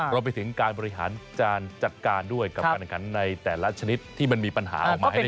รวมไปถึงการบริหารการจัดการด้วยกับการแข่งขันในแต่ละชนิดที่มันมีปัญหาออกมาให้ได้